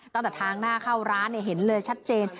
ตั้งแต่ทางหน้าเข้าร้านเห็นเลยชัดเจน